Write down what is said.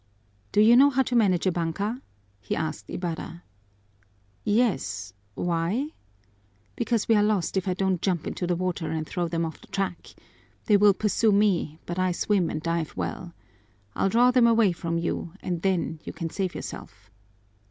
"Do you know how to manage a banka?" he asked Ibarra. "Yes, why?" "Because we are lost if I don't jump into the water and throw them off the track. They will pursue me, but I swim and dive well. I'll draw them away from you and then you can save yourself."